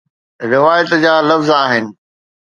روايت جا لفظ آهن